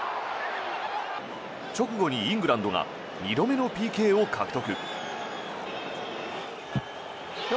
直後にイングランドが２度目のＰＫを獲得。